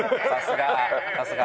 さすが！